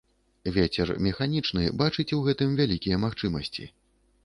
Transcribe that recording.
Вецер Мэханічны бачыць у гэтым вялікія магчымасьці